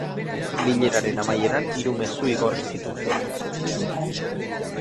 Bileraren amaieran, hiru mezu igorri zituen.